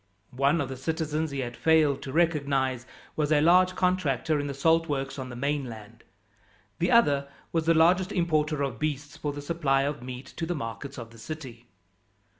One of the citizens he had failed to recognize was a large contractor in the salt works on the mainland. The other was the largest importer of beasts for the supply of meat to the markets of the city.